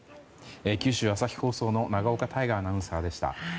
九州朝日放送の長岡大雅アナウンサーでした。